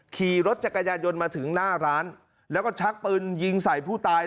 ขี่รถจักรยานยนต์มาถึงหน้าร้านแล้วก็ชักปืนยิงใส่ผู้ตาย